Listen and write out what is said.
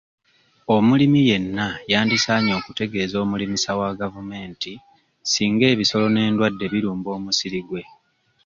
Omulimi yenna yandisaanye okutegeeza omulimisa wa gavumenti singa ebisolo n'endwadde birumba omusiri gwe.